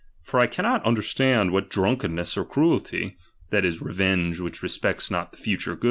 For I cannot understand what di lelty, that is, revenge which respects not the future